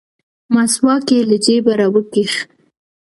مسواک يې له جيبه راوکيښ.